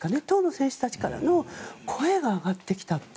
当の選手たちからの声が上がってきた。